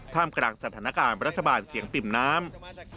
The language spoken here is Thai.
กลางสถานการณ์รัฐบาลเสียงปิ่มน้ำ